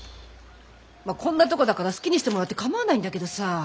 こんなとこだから好きにしてもらって構わないんだけどさ。